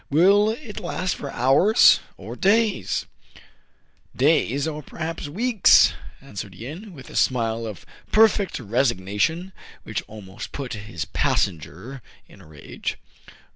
" Will it last for hours, or days }"" Days, or perhaps weeks,'* answered Yin, with a smile of perfect resignation, which almost put his passenger in a rage.